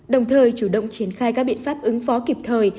đồng thời chủ động triển khai các biện pháp ứng phó kịp thời